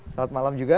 salam malam juga